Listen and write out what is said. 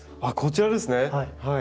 あっこちらですね。